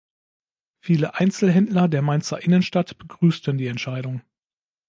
Viele Einzelhändler der Mainzer Innenstadt begrüßten die Entscheidung.